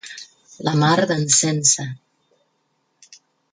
La mar d'en Sense.